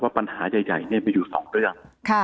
ว่าปัญหาใหญ่นี่มีอยู่สองเรื่อง